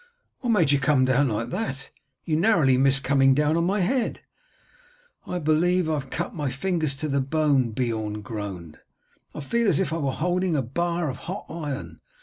"What made you come down like that, you narrowly missed coming on my head?" "I believe I have cut my fingers to the bone," Beorn groaned; "I feel as if I were holding a bar of hot iron.